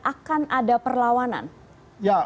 cuma kami quiperkan bahwa